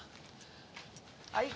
はい。